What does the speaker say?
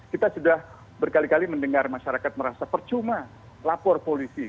kita sudah berkali kali mendengar masyarakat merasa percuma lapor polisi